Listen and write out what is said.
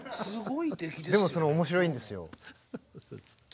でも面白いんですよ。